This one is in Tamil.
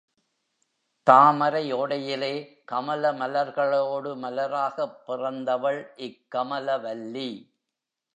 தாமரை ஓடையிலே கமல மலர்களோடு மலராகப் பிறந்தவள் இக்கமலவல்லி.